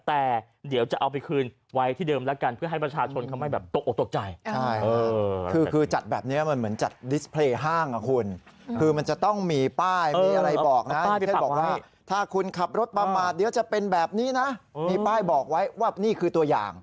ถ้าคุณขับรถประมาทเดี๋ยวจะเป็นแบบนี้นะมีป้ายบอกไว้ว่านี่คือตัวอย่าง